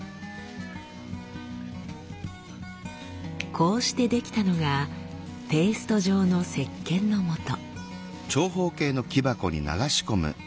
こうして出来たのがペースト状のせっけんのもと。